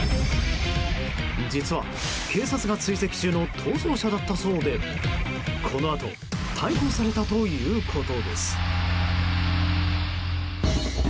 実は警察が追跡中の逃走車だったそうでこのあと逮捕されたということです。